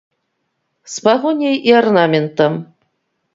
З пагоняй і арнаментам.